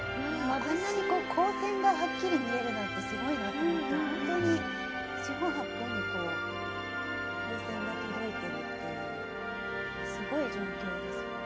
こんなに光線がはっきり見えるなんてすごいなと思って本当に四方八方に光線が届いているというすごい状況ですね。